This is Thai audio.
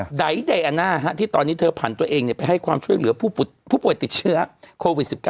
สำหรับใดใดอาณาที่ตอนนี้เธอผ่านตัวเองไปให้ความช่วยเหลือผู้ปวดผู้ป่วยติดเชื้อโควิด๑๙